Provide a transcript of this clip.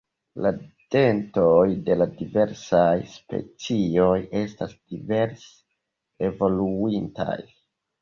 La dentoj de la diversaj specioj estas diverse evoluintaj.